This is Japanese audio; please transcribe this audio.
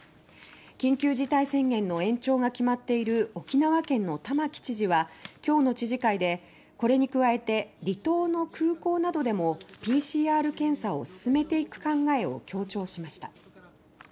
緊急事態宣言の延長が決まっている沖縄県の玉城知事はきょうの知事会でこれに加えて離島の空港などでもＰＣＲ検査を進めていく考えを強調しました。